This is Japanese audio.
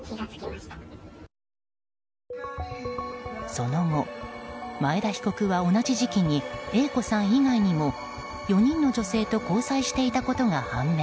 その後、前田被告は同じ時期にＡ子さん以外にも４人の女性と交際していたことが判明。